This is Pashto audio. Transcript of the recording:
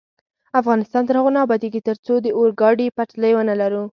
افغانستان تر هغو نه ابادیږي، ترڅو د اورګاډي پټلۍ ونلرو.